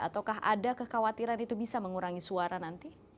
ataukah ada kekhawatiran itu bisa mengurangi suara nanti